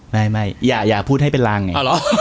ไม่อย่าพูดให้เป็นรังไง